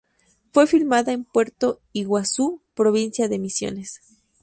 Fue filmada en Puerto Iguazú, provincia de Misiones.